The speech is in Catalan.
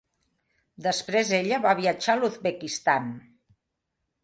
Després ella va viatjar a Uzbekistan.